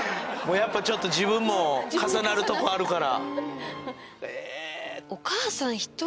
やっぱりちょっと自分も重なるとこあるから。